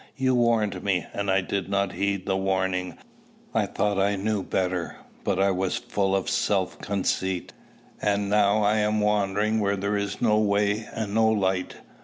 You warned me, and I did not heed the warning. I thought I knew better, but I was full of self conceit. And now I am wandering where there is no way and no light.